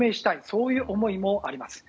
そういう思いもあります。